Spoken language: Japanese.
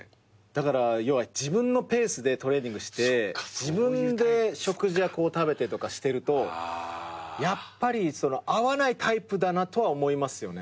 だから要は自分のペースでトレーニングして自分で食事はこう食べてとかしてるとやっぱり合わないタイプだなとは思いますよね。